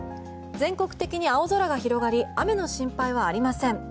全国的に青空が広がり雨の心配はありません。